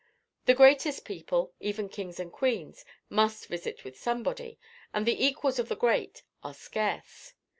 The greatest people, even kings and queens, must visit with somebody, and the equals of the great are scarce.